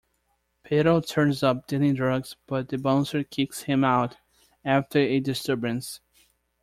Petal turns up dealing drugs but the bouncer kicks him out after a disturbance.